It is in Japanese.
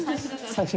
最初？